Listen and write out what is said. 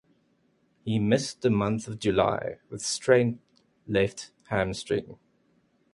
He missed the month of July with strained left hamstring.